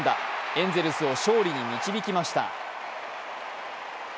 エンゼルスを勝利に導きました。